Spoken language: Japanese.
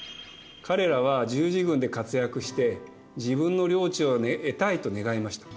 彼らは十字軍で活躍して自分の領地を得たいと願いました。